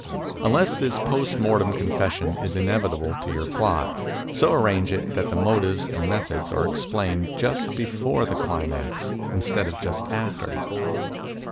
Unless this post mortem confession is inevitable to your plot, so arrange it that the motives and methods are explained just before the climax instead of just after.